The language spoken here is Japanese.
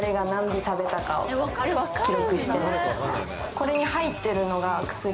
これに入ってるのが。